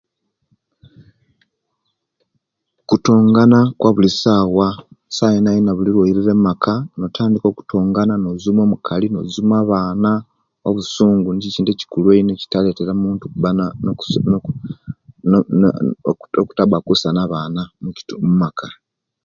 Kutongana kwabulisawa sawa yoyona buli olwoirire omumaka notandika okutongana nozuma omukali nozuma abaana obusungu nikiyo ekintu ekikulu eino ekitaletera omuntu okuba no no no nokutaba kusa nabaana mumaka